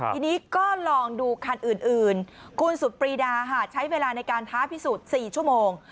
ทีนี้ก็ลองดูคันอื่นคุณสุดปรีดาใช้เวลาในการท้าพิสูจน์๔ชั่วโมง